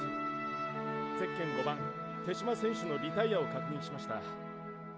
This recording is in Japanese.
ゼッケン５番手嶋選手のリタイアを確認しました。